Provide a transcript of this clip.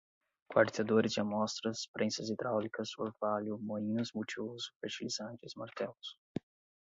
quarteadores de amostras, prensas hidráulicas, orvalho, moinhos multiuso, fertilizantes, martelos